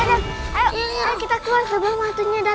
sampai jumpa di video selanjutnya